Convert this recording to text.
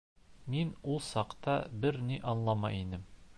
— Мин ул саҡта бер ни аңламай инем!